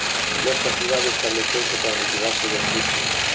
Nesta cidade estableceuse tras retirarse do fútbol.